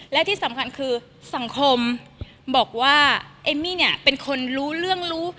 และที่สำคัญคือสังคมบอกว่าเอมมี่เนี่ยเป็นคนรู้เรื่องรู้